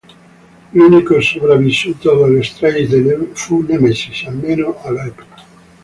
L'unico sopravvissuto della strage fu Nemesis, almeno all'epoca.